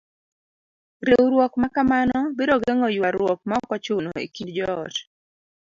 Riwruok ma kamano biro geng'o yuaruok maok ochuno e kind joot.